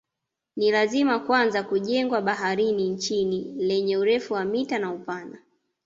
Ni la kwanza kujengwa baharini nchini lenye urefu wa mita na upana